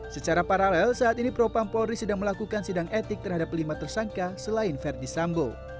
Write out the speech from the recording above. secara paralel saat ini propam polri sedang melakukan sidang etik terhadap lima tersangka selain verdi sambo